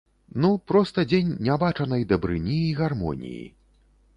Ну проста дзень нябачанай дабрыні і гармоніі.